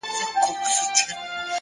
هڅه د فرصتونو دروازې پرانیزي.!